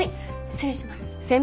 失礼します。